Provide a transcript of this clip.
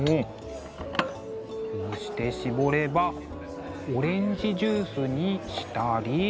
こうして搾ればオレンジジュースにしたり。